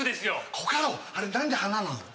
コカド、あれなんで花なの？